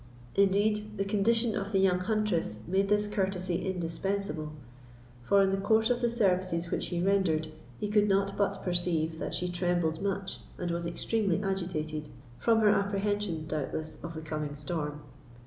Indeed, the condition of the young huntress made this courtesy indispensable; for, in the course of the services which he rendered, he could not but perceive that she trembled much, and was extremely agitated, from her apprehensions, doubtless, of the coming storm.